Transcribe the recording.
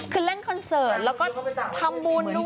คือเล่นคอนเสิร์ตแล้วก็ทำบุญดู